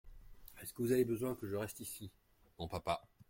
Est-ce que vous avez besoin que je reste ici, mon papa ?